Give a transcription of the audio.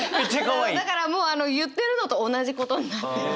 だからもう言ってるのと同じことになってる。